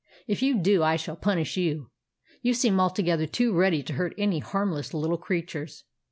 If you do, I shall punish you. You seem altogether too ready to hurt any harmless little creatures."